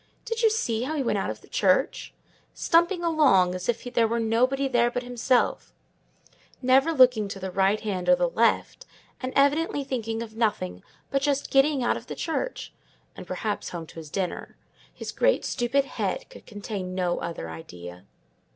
Did you see how he went out of church? stumping along—as if there were nobody there but himself—never looking to the right hand or the left, and evidently thinking of nothing but just getting out of the church, and, perhaps, home to his dinner: his great stupid head could contain no other idea."